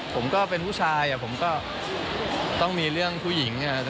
ผมก็เป็นผู้ชายผมก็ต้องมีเรื่องผู้หญิง